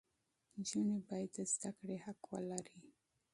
نجونې باید د زده کړې حق ولري.